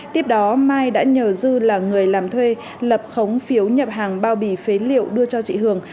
tiếp đó mai đã nhờ dư là người làm thuê lập khống phiếu nhập hàng bao bì phế liệu đưa cho chị hường